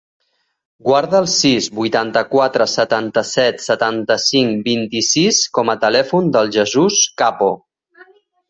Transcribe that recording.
Guarda el sis, vuitanta-quatre, setanta-set, setanta-cinc, vint-i-sis com a telèfon del Jesús Capo.